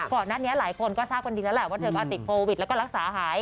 ก่อนหน้านี้หลายคนก็ทราบกันดีแล้วแหละว่าเธอก็ติดโควิดแล้วก็รักษาหาย